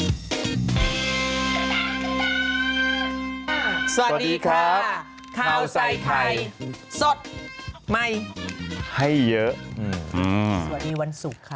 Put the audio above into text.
สวัสดีค่ะข้าวใส่ไข่สดใหม่ให้เยอะอืมสวัสดีวันศุกร์ค่ะ